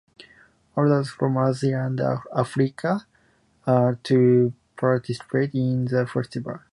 Authors from Asia and Africa are to participate in the festival.